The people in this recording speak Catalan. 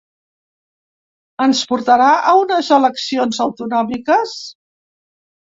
Ens portarà a unes eleccions autonòmiques?